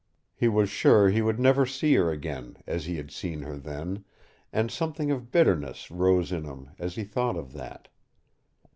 He was sure he would never see her again as he had seen her then, and something of bitterness rose in him as he thought of that.